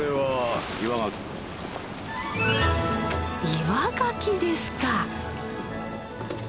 岩ガキですか！